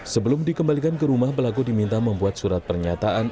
sebelum dikembalikan ke rumah pelaku diminta membuat surat pernyataan